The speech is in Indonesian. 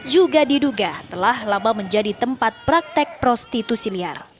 juga diduga telah lama menjadi tempat praktek prostitusi liar